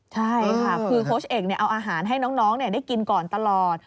ใช่ค่ะคือโค้ชเอกเอาอาหารให้น้องได้กินก่อนตลอด